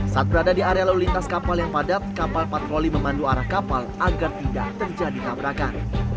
saat berada di area lalu lintas kapal yang padat kapal patroli memandu arah kapal agar tidak terjadi tabrakan